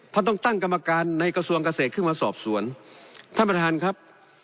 ต้องตั้งกรรมการในกระทรวงเกษตรขึ้นมาสอบสวนท่านประธานครับ